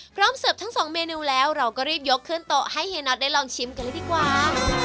พร้อมเสิร์ฟทั้งสองเมนูแล้วเราก็รีบยกเคลื่อนโต๊ะให้เฮนอทได้ลองชิมกันดีกว่า